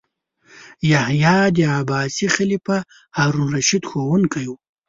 یحیی د عباسي خلیفه هارون الرشید ښوونکی و.